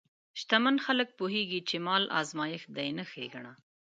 شتمن خلک پوهېږي چې مال ازمېښت دی، نه ښېګڼه.